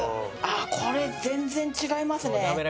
あこれ全然違いますね。